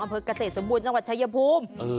อำเภอกเกษตรสมบูรณ์จังหวัดชายภูมิ